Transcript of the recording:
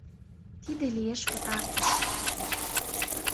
Тиде лиеш пытартыш